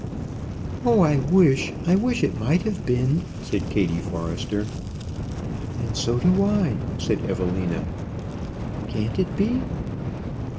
"Oh, I wish, I wish it might have been!" said Kattie Forrester. "And so do I," said Evelina. "Can't it be?"